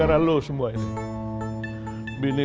sampai urusan pemenangan selesai